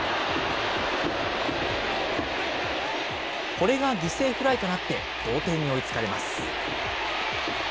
これが犠牲フライとなって同点に追いつかれます。